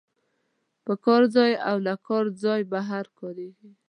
په کار ځای او له کار ځای بهر کاریږي.